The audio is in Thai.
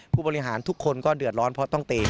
ผู้บริหารทุกคนก็เดือดร้อนเพราะต้องตี